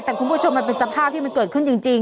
แต่คุณผู้ชมมันเป็นสภาพที่มันเกิดขึ้นจริง